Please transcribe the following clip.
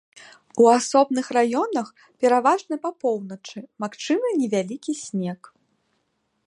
У асобных раёнах, пераважна па поўначы, магчымы невялікі снег.